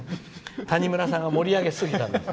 谷村さんが盛り上げすぎたんです。